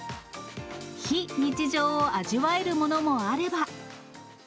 非日常を味わえるものもあれば。